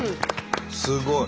すごい！